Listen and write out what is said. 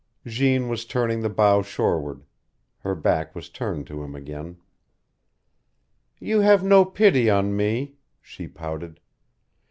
Jeanne was turning the bow shoreward. Her back was turned to him again. "You have no pity on me," she pouted.